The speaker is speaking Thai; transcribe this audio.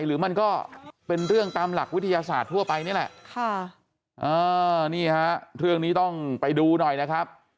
หรือมันก็เป็นเรื่องตามหลักวิทยาศาสตร์ทั่วไปนี่แหละนี่ฮะเรื่องนี้ต้องไปดูหน่อยนะครับ